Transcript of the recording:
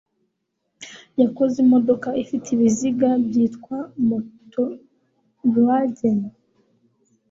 yakoze imodoka ifite ibiziga bitatu byitwa Motorwagen